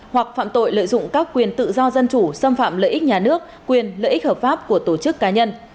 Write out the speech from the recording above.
hoặc phạm tội lợi dụng các quyền tự do dân chủ xâm phạm lợi ích nhà nước quyền lợi ích hợp pháp của tổ chức cá nhân